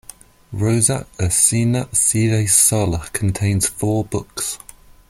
"Rosa Ursina sive Sol" contains four books.